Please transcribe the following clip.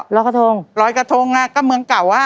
รอยกระทงก็เมืองเก่า